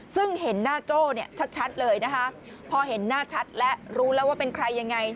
ซึ่งเห็นหน้าโจ้เนี่ยชัดเลยนะคะพอเห็นหน้าชัดและรู้แล้วว่าเป็นใครยังไง